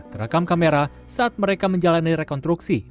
terekam kamera saat mereka menjalani rekonstruksi